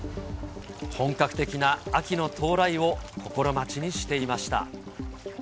本格的な秋の到来を心待ちにしていました。